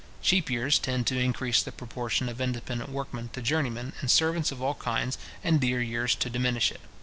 Cheap years tend to increase the proportion of independent workmen to journeymen and servants of all kinds, and dear years to diminish it.